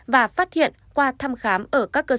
và phát hiện qua tham gia